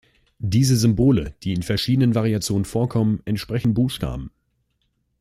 Diese Symbole, die in verschiedenen Variationen vorkommen, entsprechen Buchstaben.